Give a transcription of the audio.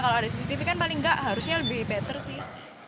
kalau ada cctv kan paling nggak harusnya lebih better sih